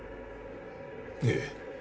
ええ。